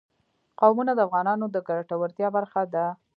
قومونه د افغانانو د ګټورتیا برخه ده.